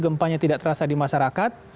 gempanya tidak terasa di masyarakat